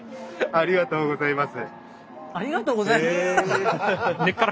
ありがとうございます。